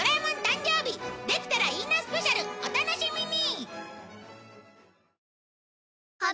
スペシャルお楽しみに！